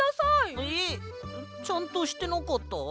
えっ？ちゃんとしてなかった？